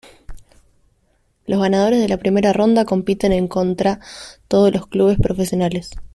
Los ganadores de la primera ronda compiten en contra todos los clubes profesionales.